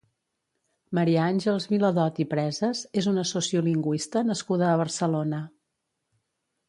Maria Àngels Viladot i Presas és una sociolingüista nascuda a Barcelona.